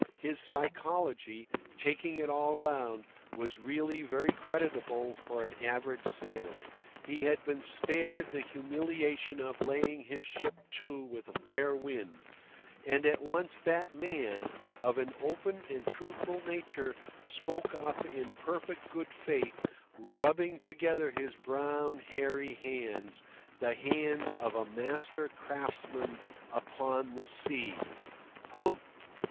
His psychology, taking it all round, was really very creditable for an average sailor. He had been spared the humiliation of laying his ship to with a fair wind; and at once that man, of an open and truthful nature, spoke up in perfect good faith, rubbing together his brown, hairy hands—the hands of a master craftsman upon the sea: "Humph!